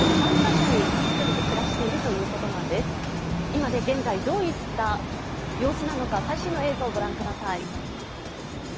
今現在どういった様子なのか最新の映像をご覧ください。